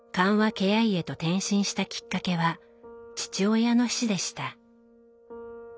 ケア医へと転身したきっかけは父親の死でした。